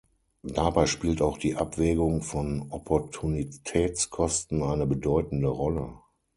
Dabei spielt auch die Abwägung von Opportunitätskosten eine bedeutende Rolle.